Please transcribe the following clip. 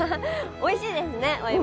おいしいですねお芋。